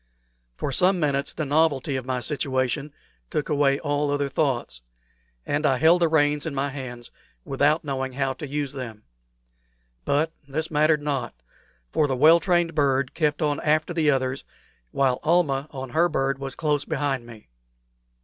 For some minutes the novelty of my situation took away all other thoughts, and I held the reins in my hands without knowing how to use them. But this mattered not, for the well trained bird kept on after the others, while Almah on her bird was close behind me.